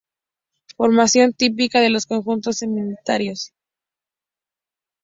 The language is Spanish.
Formación típica de los conjuntos sedimentarios.